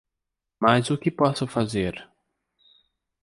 Mas o que posso fazer?